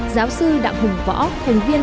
giáo sư đặng hùng võ